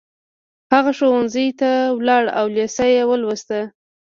هغه ښوونځي ته لاړ او لېسه يې ولوسته.